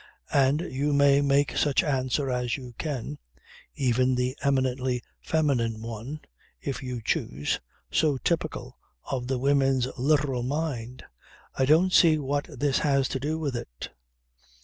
And you may make such answer as you can even the eminently feminine one, if you choose, so typical of the women's literal mind "I don't see what this has to do with it!"